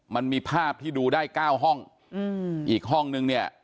มันมีภาพที่ดูได้เก้าห้องอืมอีกห้องนึงเนี่ย